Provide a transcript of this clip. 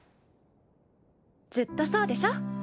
ずっとそうでしょ。